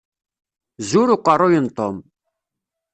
Zur uqerruy n Tom.